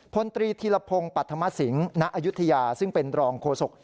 พลตรีธีรพงศ์ปัธมสิงศ์ณอายุทยาซึ่งเป็นรองโฆษก